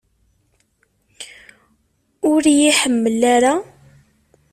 Ur iyi-iḥemmel ara?